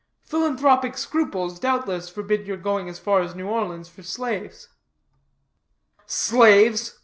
Philanthropic scruples, doubtless, forbid your going as far as New Orleans for slaves?" "Slaves?"